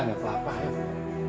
nggak udah tidak ada apa apa